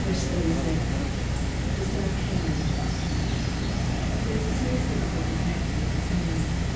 — [The son of Cainan.] There is a serious difficulty connected with this name.